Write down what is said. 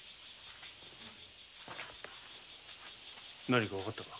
何かわかったか？